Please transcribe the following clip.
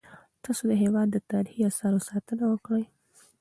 تاسو د هیواد د تاریخي اثارو ساتنه وکړئ.